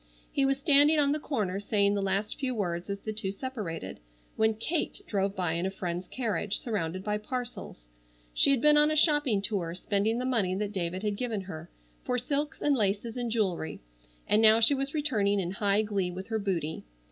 He was standing on the corner saying the last few words as the two separated, when Kate drove by in a friend's carriage, surrounded by parcels. She had been on a shopping tour spending the money that David had given her, for silks and laces and jewelry, and now she was returning in high glee with her booty.